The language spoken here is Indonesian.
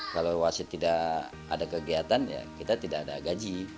kalau wasit tidak ada kegiatan ya kita tidak ada gaji